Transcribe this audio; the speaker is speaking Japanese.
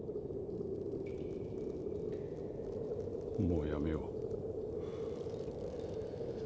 もうやめよう。